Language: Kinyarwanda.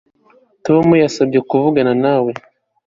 Tom yansabye kuvugana nawe